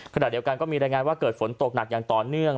ขณะเดียวกันก็มีรายงานว่าเกิดฝนตกหนักอย่างต่อเนื่อง